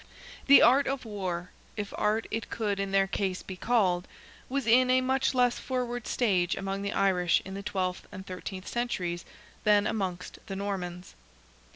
The art of war, if art it could in their case be called, was in a much less forward stage among the Irish in the twelfth and thirteenth centuries than amongst the Normans.